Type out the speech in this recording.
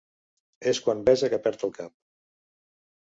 És quan besa que perd el cap.